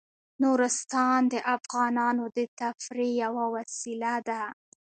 نورستان د افغانانو د تفریح یوه وسیله ده.